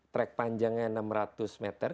track panjangnya enam ratus meter